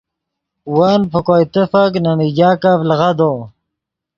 ون پے کوئے تیفک نے میگاکف لیغدو